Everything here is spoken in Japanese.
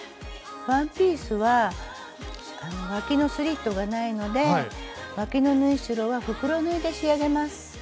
ワンピースはわきのスリットがないのでわきの縫い代は袋縫いで仕上げます。